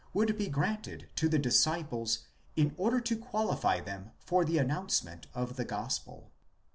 would be granted to the disciples in order to qualify them for the announce ment of the gospel.